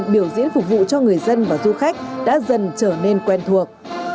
biểu diễn phục vụ cho người dân và du khách đã dần trở nên quen thuộc